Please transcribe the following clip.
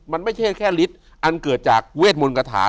มันไม่ใช่แค่ฤทธิ์อันเกิดจากเวทมนต์กระถา